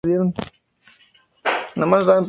Ambos desean un futuro mejor para sus hijos.